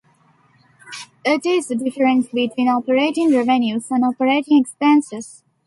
It is the difference between operating revenues and operating expenses.